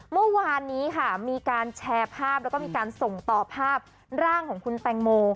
เมื่อวานนี้ค่ะมีการแชร์ภาพแล้วก็มีการส่งต่อภาพร่างของคุณแตงโม